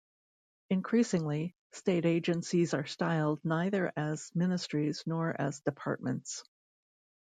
Increasingly, state agencies are styled neither as ministries nor as departments.